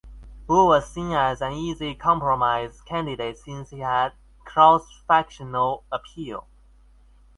Wu was seen as an easy compromise candidate since he had "cross-factional appeal".